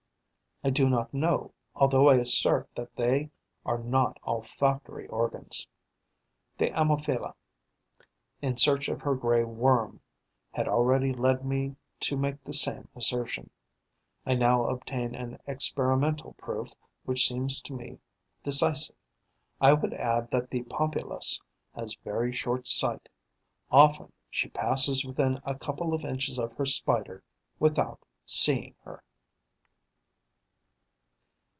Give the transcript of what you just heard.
I do not know, although I assert that they are not olfactory organs. The Ammophila, in search of her Grey Worm, had already led me to make the same assertion; I now obtain an experimental proof which seems to me decisive. I would add that the Pompilus has very short sight: often she passes within a couple of inches of her Spider without seeing her.